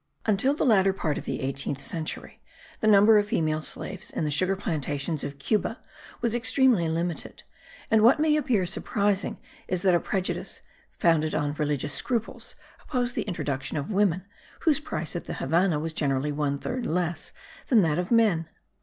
Until the latter part of the eighteenth century the number of female slaves in the sugar plantations of Cuba was extremely limited; and what may appear surprising is that a prejudice, founded on religious scruples, opposed the introduction of women, whose price at the Havannah was generally one third less than that of men.